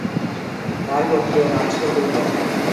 তার গোত্রীয় নাম ছিলো গৌতম।